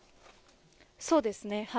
そうですね。